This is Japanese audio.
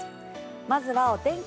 まずはお天気